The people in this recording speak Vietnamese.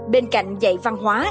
bên cạnh dạy văn hóa